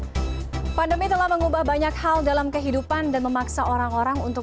hai pandemi telah mengubah banyak hal dalam kehidupan dan memaksa orang orang untuk